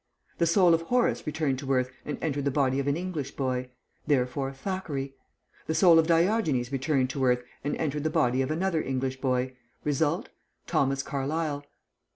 The soul of Horace returned to earth and entered the body of an English boy; therefore, Thackeray. The soul of Diogenes returned to earth and entered the body of another English boy; result, Thomas Carlyle.